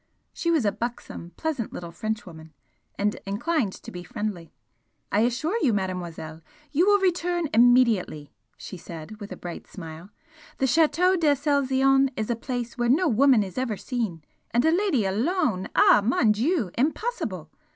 She was a buxom, pleasant little Frenchwoman, and inclined to be friendly. "I assure you, Mademoiselle, you will return immediately!" she said, with a bright smile "The Chateau d'Aselzion is a place where no woman is ever seen and a lady alone! ah, mon Dieu! impossible!